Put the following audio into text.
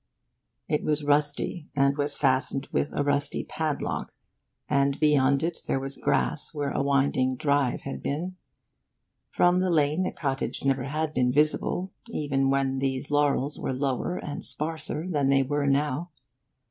It was rusty, and was fastened with a rusty padlock, and beyond it there was grass where a winding 'drive' had been. From the lane the cottage never had been visible, even when these laurels were lower and sparser than they were now.